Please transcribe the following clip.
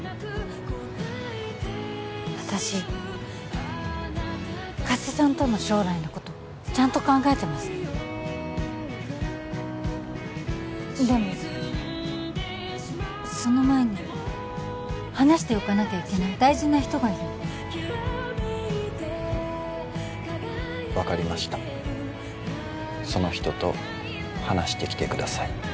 私加瀬さんとの将来のことちゃんと考えてますでもその前に話しておかなきゃいけない大事な人がいるの分かりましたその人と話してきてください